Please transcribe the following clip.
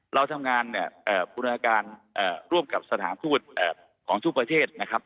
เราทำงานเนี่ยบูรณาการร่วมกับสถานทูตของทุกประเทศนะครับ